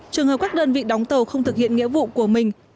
trường hợp các đơn vị đóng tàu không thực hiện nghĩa vụ của mình